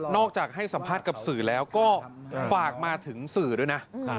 จากให้สัมภาษณ์กับสื่อแล้วก็ฝากมาถึงสื่อด้วยนะ